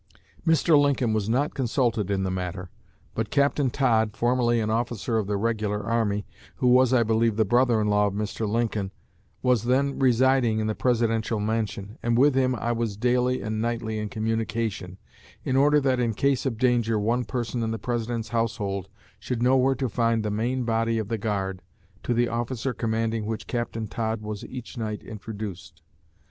Mr. Lincoln was not consulted in the matter. But Captain Todd, formerly an officer of the regular army, who was, I believe, the brother in law of Mr. Lincoln, was then residing in the Presidential Mansion, and with him I was daily and nightly in communication, in order that in case of danger one person in the President's household should know where to find the main body of the guard, to the officer commanding which Captain Todd was each night introduced.